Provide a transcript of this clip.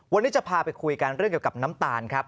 วันนี้จะพาไปคุยกันเรื่องเกี่ยวกับน้ำตาลครับ